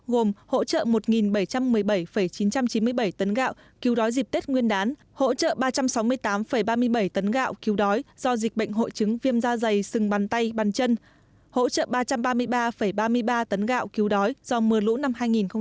gồm hỗ trợ một bảy trăm một mươi bảy chín trăm chín mươi bảy tấn gạo cứu đói dịp tết nguyên đán hỗ trợ ba trăm sáu mươi tám ba mươi bảy tấn gạo cứu đói do dịch bệnh hội chứng viêm da dày sừng bàn tay bàn chân hỗ trợ ba trăm ba mươi ba ba mươi ba tấn gạo cứu đói do mưa lũ năm hai nghìn một mươi chín